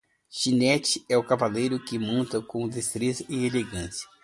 Ginete é o cavaleiro que monta com destreza e elegância